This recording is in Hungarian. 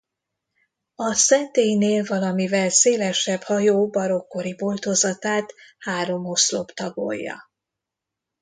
A szentélynél valamivel szélesebb hajó barokk-kori boltozatát három oszlop tagolja.